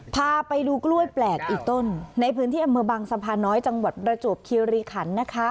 พาไปดูกล้วยแปลกอีกต้นในพื้นที่อำเภอบางสะพานน้อยจังหวัดประจวบคิริขันนะคะ